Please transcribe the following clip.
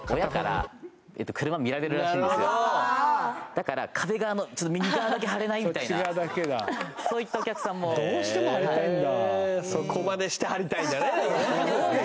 だから壁側の右側だけ貼れない？みたいなそういったお客さんもどうしても貼りたいんだ